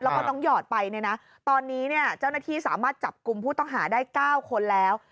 แล้วก็น้องหยอดไปเนี่ยนะตอนนี้เนี่ยเจ้าหน้าที่สามารถจับกลุ่มผู้ต้องหาได้๙คนแล้ว